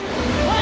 あ！